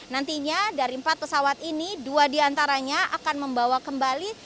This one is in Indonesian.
nantinya dari empat pesawat ini dua diantaranya akan membawa kembali